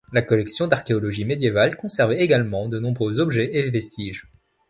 La collection d'archéologie médiévale conserve également de nombreux objets et vestiges.